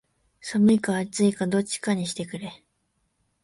寒いか暑いかどっちかにしてくれ